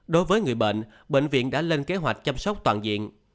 đối với người bệnh bệnh viện đã lên kế hoạch chăm sóc toàn diện